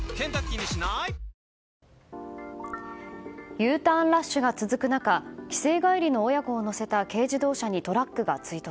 Ｕターンラッシュが続く中帰省帰りの親子を乗せた軽自動車にトラックが追突。